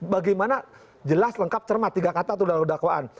bagaimana jelas lengkap cermat tiga kata itu dalam dakwaan